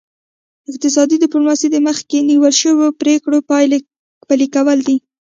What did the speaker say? اقتصادي ډیپلوماسي د مخکې نیول شوو پریکړو پلي کول دي